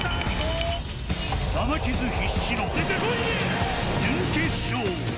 生傷必至の準決勝。